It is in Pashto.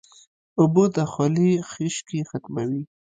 اوبه د خولې خشکي ختموي